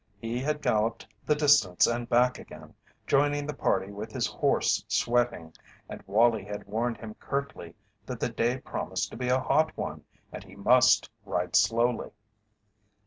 He had galloped the distance and back again, joining the party with his horse sweating, and Wallie had warned him curtly that the day promised to be a hot one and he must ride slowly.